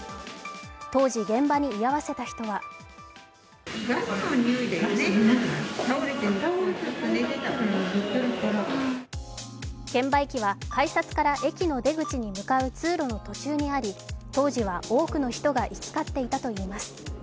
当時、現場に居合わせた人は券売機は改札から駅の出口に向かう通路の途中にあり、当時は多くの人が行き交っていたといいます。